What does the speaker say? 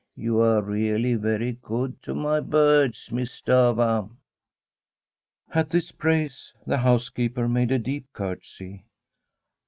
You are really very good to my birds. Miss Stafva.' At this praise the housekeeper made a deep curtsy.